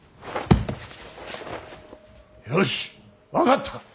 よし分かった。